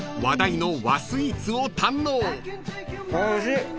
おいしい。